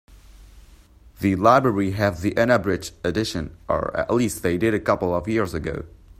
The library have the unabridged edition, or at least they did a couple of years ago.